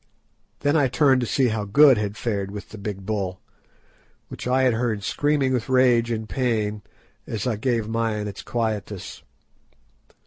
Then I turned to see how Good had fared with the big bull, which I had heard screaming with rage and pain as I gave mine its quietus.